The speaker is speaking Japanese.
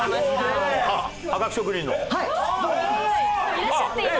いらっしゃっています。